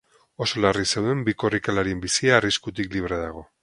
Oso larri zeuden bi korrikalarien bizia arriskutik libre dago.